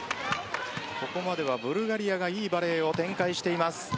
ここまではブルガリアがいいバレーを展開しています。